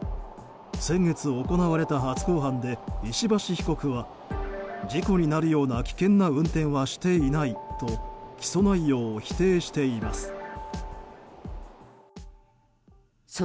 先月行われた初公判で石橋被告は事故になるような危険な運転はしていないと起訴内容を否定しています。